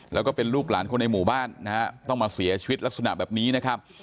แล้วก็เป็นลูกหลานคนในหมู่บ้านนะฮะต้องมาเสียชีวิตลักษณะแบบนี้นะครับ